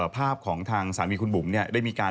ภาพของทางสามีคุณบุ๋มได้มีการ